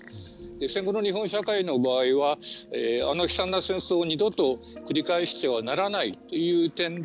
戦後の日本社会の場合はあの悲惨な戦争を二度と繰り返してはならないという点で